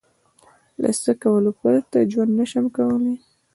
له څه کولو پرته ژوند نشم کولای؟